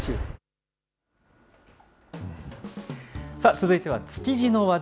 続いては築地の話題。